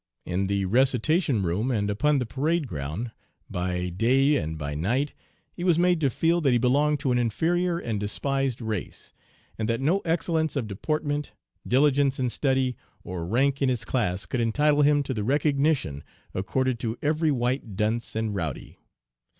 In the recitation room and upon the parade ground, by day and by night, he was made to feel that he belonged to an inferior and despised race, and that no excellence of deportment, diligence in study, or rank in his class could entitle him to the recognition accorded to every white dunce and rowdy.